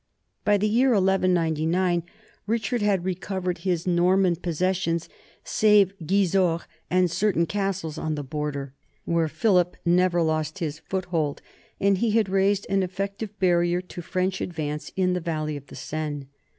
By the year 1199 Richard had recovered his Norman possessions save Gisors and certain castles on the border, where Philip never lost his foothold, and he had raised an effective barrier to French advance in the valley of the Seine.